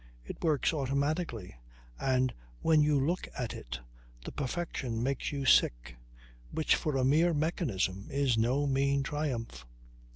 It works automatically, and, when you look at it, the perfection makes you sick; which for a mere mechanism is no mean triumph.